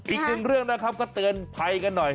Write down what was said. อีกหนึ่งเรื่องนะครับก็เตือนภัยกันหน่อย